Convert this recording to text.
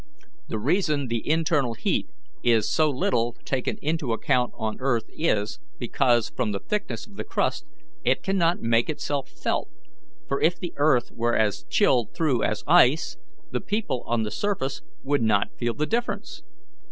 The reason the internal heat is so little taken into account on earth is because, from the thickness of the crust, it cannot make itself felt; for if the earth were as chilled through as ice, the people on the surface would not feel the difference."